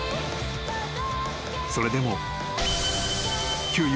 ［それでも］